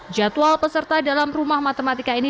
jadwal peserta dalam rumah matematika ini